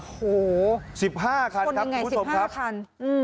คนไหน๑๕คัน